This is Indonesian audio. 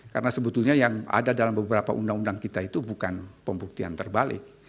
karena sebetulnya yang ada dalam beberapa undang undang kita itu bukan pembuktian terbalik